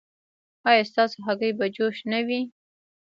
ایا ستاسو هګۍ به جوش نه وي؟